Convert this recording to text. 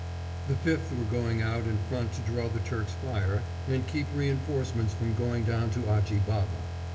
The 5th were going out in front to draw the Turks' fire and keep reinforcements from going down to Achi Baba.